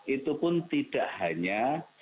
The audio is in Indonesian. itu pun tidak hanya